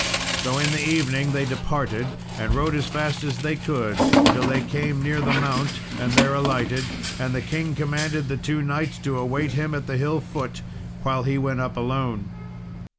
So in the evening they departed, and rode as fast as they could till they came near the mount, and there alighted; and the king commanded the two knights to await him at the hill foot, while he went up alone.